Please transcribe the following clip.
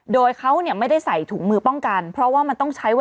โดยเขาไม่ได้ใส่ถุงมือป้องกัน